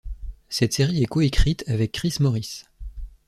Cette série est coécrite avec Chris Morris.